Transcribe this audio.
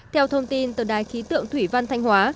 theo thông tin từ đài khí tượng thủy văn thanh hóa